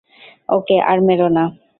ওকে আর মেরো না!